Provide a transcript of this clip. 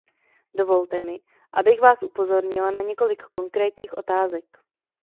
Dovolte mi, abych vás upozornila na několik konkrétních otázek.